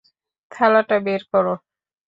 থালাটা বের কর।